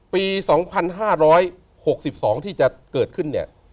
ปี๒๕๖๒ที่จะเกิดขึ้นเนี่ย